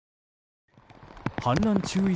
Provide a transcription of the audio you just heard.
氾濫注意